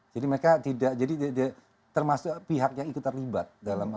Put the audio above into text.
jadi mereka tidak jadi termasuk pihaknya ikut terlibat dalam